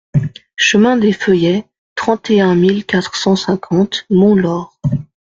Chemin des Feuillets, trente et un mille quatre cent cinquante Montlaur